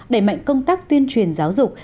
đẩy mạnh công tác tuyên truyền giáo dục